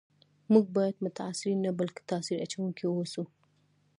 موږ باید متاثرین نه بلکي تاثیر اچونکي و اوسو